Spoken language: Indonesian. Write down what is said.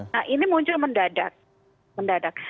nah ini muncul mendadak